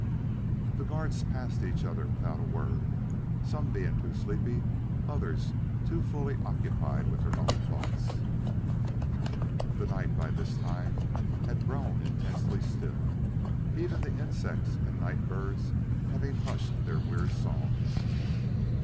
The guards passed each other without a word, some being too sleepy; others too fully occupied with their own thoughts. The night, by this time, had grown intensely still, even the insects and night birds having hushed their weird songs.